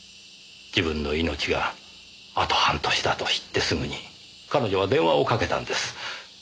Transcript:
自分の命があと半年だと知ってすぐに彼女は電話をかけたんです。